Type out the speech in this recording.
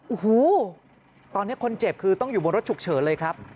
โอ้โหตอนนี้คนเจ็บคือต้องอยู่บนรถฉุกเฉินเลยครับ